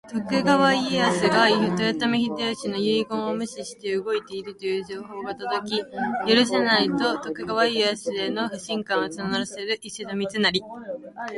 徳川家康が豊臣秀吉の遺言を無視して動いているという情報が届き、「許せない！」と徳川家康への不信感を募らせる石田三成。